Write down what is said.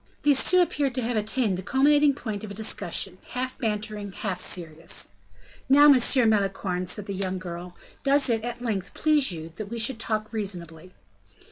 These two appeared to have attained the culminating point of a discussion half bantering, half serious. "Now, Monsieur Malicorne," said the young girl, "does it, at length, please you that we should talk reasonably?"